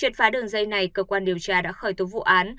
triệt phá đường dây này cơ quan điều tra đã khởi tố vụ án